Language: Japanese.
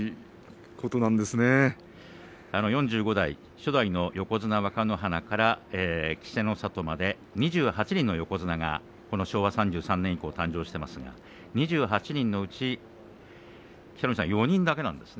初代の横綱若乃花から稀勢の里まで２８人の横綱がこの昭和３３年以降誕生していますがその中で４人だけなんですね